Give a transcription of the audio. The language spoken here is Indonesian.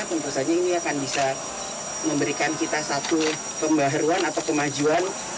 tentu saja ini akan bisa memberikan kita satu pembaharuan atau kemajuan